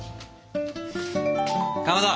かまど。